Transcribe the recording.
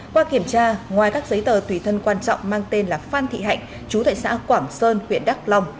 qua kiểm tra ngoài các giấy tờ tùy thân quan trọng mang tên là phan thị hạnh chú thầy xã quảng sơn huyện đắk long